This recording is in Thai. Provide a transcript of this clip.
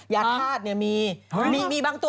ยาทาศน์เนี่ยมีมีบางตัว